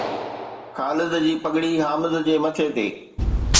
خالد جي پگڙي حامد جي مٿي تي